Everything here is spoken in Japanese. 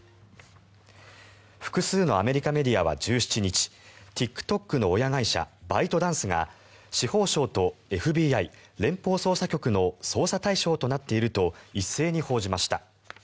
複数のアメリカメディアは１７日ＴｉｋＴｏｋの親会社バイトダンスが司法省とＦＢＩ・連邦捜査局の捜査対象となっていると一斉に報じました。